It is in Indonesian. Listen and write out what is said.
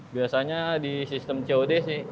biasanya di sistem cod sih